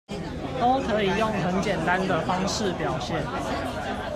都可以用很簡單的方式表現